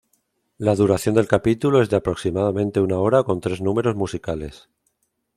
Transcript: La duración del capítulo es de aproximadamente una hora con tres números musicales.